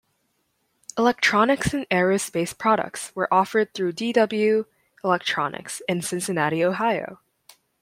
Electronics and aerospace products were offered through D-W Electronics, in Cincinnati, Ohio.